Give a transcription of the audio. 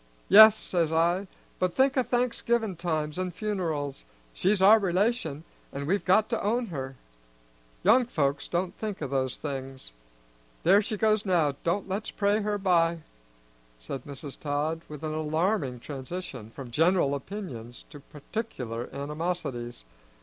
'Yes,' says I, 'but think o' Thanksgivin' times an' funerals; she's our relation, an' we've got to own her.' Young folks don't think o' those things. There she goes now, do let's pray her by!" said Mrs. Todd, with an alarming transition from general opinions to particular animosities.